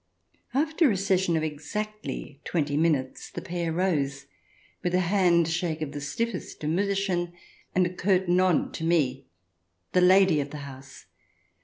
After a session of exactly twenty minutes the pair rose, with a handshake of the stiffest to Mutterchen, and a curt nod to me, the lady of the house.